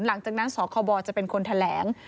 หลังจากนั้นสคบจะเป็นคนแถลง